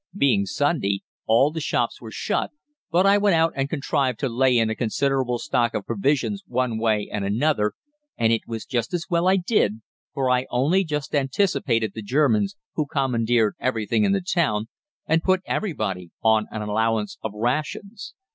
Being Sunday, all the shops were shut; but I went out and contrived to lay in a considerable stock of provisions one way and another, and it was just as well I did, for I only just anticipated the Germans, who commandeered everything in the town, and put everybody on an allowance of rations.